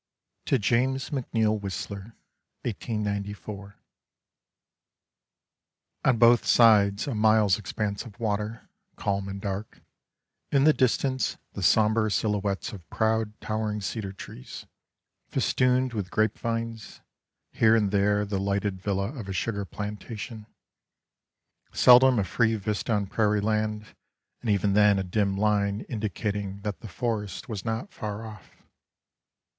To James McNeil Whistler. MAGNOLIA BLOSSOMS. (1894.) On both sides a mile's expanse of water, calm and dark ; in the distance the sombre silhouettes of proud, towering cedar trees, festooned with grapevines ; here and there the lighted villa of a sugar plantation ; seldom a free vista on prairie land, and even then a dim line indicating that the forest was not far off.